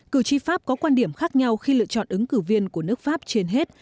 cử tri pháp có quan điểm khác nhau khi lựa chọn ứng cử viên của nước pháp trên hết